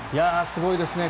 すごいですね